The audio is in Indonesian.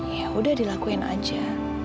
ya udah dilakuin aja